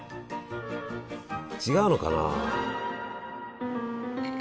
違うのかな。